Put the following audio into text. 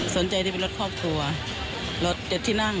ที่เป็นรถครอบครัวรถ๗ที่นั่ง